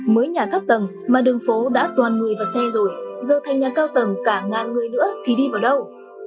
mới nhà thấp tầng mà đường phố đã toàn người vào xe rồi giờ thành nhà cao tầng cả ngàn người nữa thì đi vào đâu